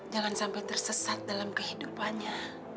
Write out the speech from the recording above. jangan sampai tersesat dalam kehidupannya